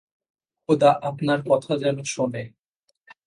খোদা আপনার কথা যেন শোনে!